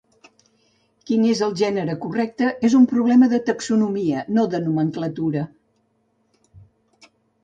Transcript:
Quin es el gènere correcte és un problema de taxonomia, no de nomenclatura.